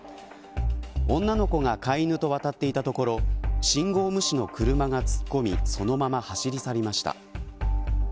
女の子が飼い犬と渡っていたところ信号無視の車が突っ込みそのまま走り去りました。